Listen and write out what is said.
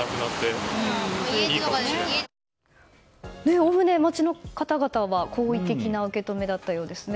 おおむね街の方々は好意的な受け止めだったようですね。